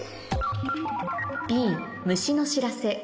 Ｂ「虫の知らせ」